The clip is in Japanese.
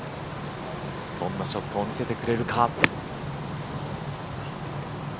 どんなショットを見せてくれるか。